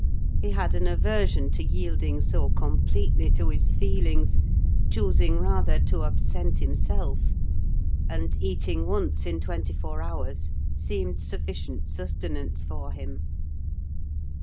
He had an aversion to yielding so completely to his feelings, choosing rather to absent himself; and eating once in twenty four hours seemed sufficient sustenance for him.